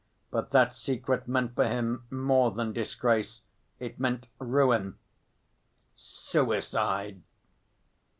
But that secret meant for him more than disgrace; it meant ruin, suicide.